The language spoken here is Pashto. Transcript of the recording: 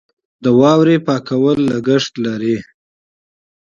د واورې پاکول لګښت لري.